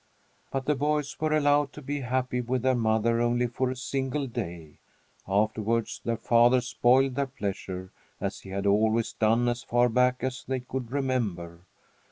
But the boys were allowed to be happy with their mother only for a single day. Afterwards their father spoiled their pleasure, as he had always done as far back as they could remember.